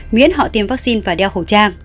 miễn họ tiêm vaccine và đeo khẩu trang